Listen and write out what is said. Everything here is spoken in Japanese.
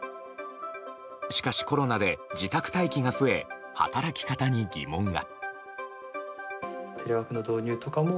しかし、コロナで自宅待機が増え働き方に疑問が。